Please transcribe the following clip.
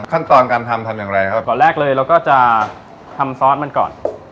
ขั้นตอนการทำทำอย่างไรครับตอนแรกเลยเราก็จะทำซอสมันก่อน